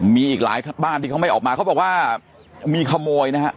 มีอีกหลายบ้านที่เขาไม่ออกมาเขาบอกว่ามีขโมยนะฮะ